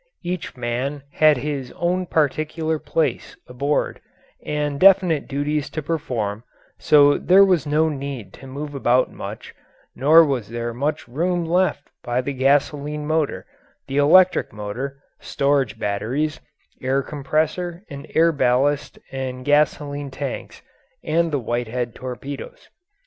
Each man had his own particular place aboard and definite duties to perform, so there was no need to move about much, nor was there much room left by the gasoline motor, the electric motor, storage batteries, air compressor, and air ballast and gasoline tanks, and the Whitehead torpedoes.